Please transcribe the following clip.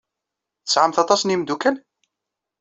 Tesɛamt aṭas n yimeddukal?